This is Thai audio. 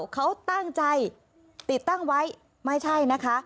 เขาตั้งใจติดตั้งไว้ไม่ใช่นะคะ